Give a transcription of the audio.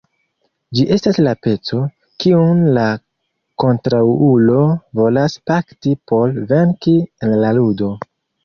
Ĝi estas la peco, kiun la kontraŭulo volas kapti por venki en la ludo.